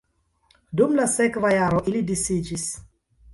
Dum la sekva jaro ili disiĝis.